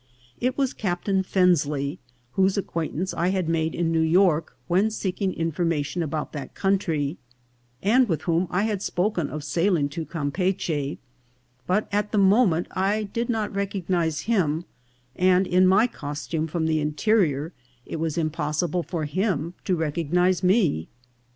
It was Captain Fensley, whose acquaintance I had made in New York when seeking information about that country, and with whom I had spoken of sailing to Campeachy ; but at the moment I did not recognise him, and in my costume from the interior it was impos sible for him to recognise me.